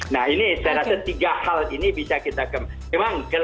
nah ini saya rasa tiga hal ini bisa kita kembangkan